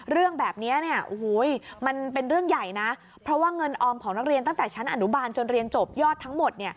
เรื่องแบบนี้มันเป็นเรื่องใหญ่นะเพราะว่าเงินออมของนักเรียนตั้งแต่ชั้นอนุบาลจนเรียนจบยอดทั้งหมด